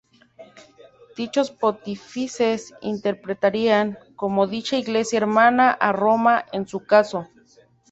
Dichos pontífices interpretarían como dicha "Iglesia hermana" a Roma en su caso.